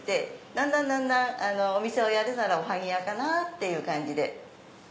だんだんお店をやるならおはぎ屋かなっていう感じで。